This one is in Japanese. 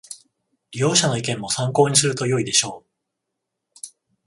利用者の意見も参考にするとよいでしょう